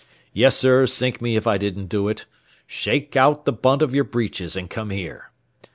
Yessir, sink me if I didn't do it. 'Shake out the bunt of yer breeches and come here.'